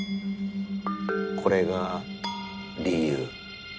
これが理由。